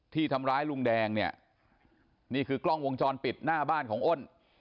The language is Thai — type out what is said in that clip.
ที่ทำร้ายลุงแดงเนี่ยนี่คือกล้องวงจรปิดหน้าบ้านของอ้น